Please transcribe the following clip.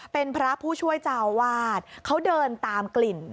เป็นพระผู้ช่วยเจ้าวาดเขาเดินตามกลิ่น